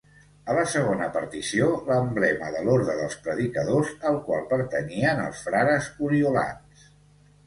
A la segona partició, l'emblema de l'orde dels Predicadors, al qual pertanyien els frares oriolans.